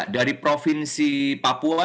dari provinsi papua